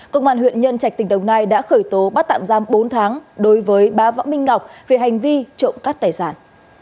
công an huyện nhân trạch tỉnh đồng nai đã khởi tố bắt tạm giam bốn tháng đối với bá võ minh ngọc về hành vi trộm cắt tài sản